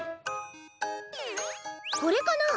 これかな？